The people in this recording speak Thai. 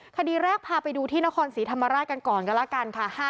คดีแรกพาไปดูที่นครศรีธรรมราชกันก่อนกันแล้วกันค่ะ